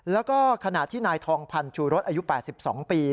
แล้วก็ขณะที่นายทองพันธ์ชูรสอายุ๘๒ปี